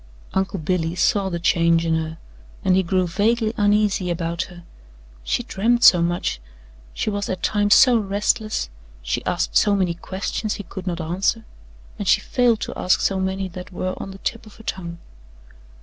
Uncle Billy saw the change in her and he grew vaguely uneasy about her she dreamed so much, she was at times so restless, she asked so many questions he could not answer, and she failed to ask so many that were on the tip of her tongue.